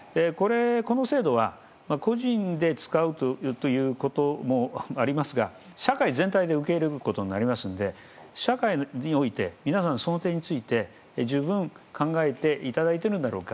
この制度は個人で使うということもありますが社会全体で受け入れることになりますので社会において皆さん、その点について十分、考えていただいているんだろうか。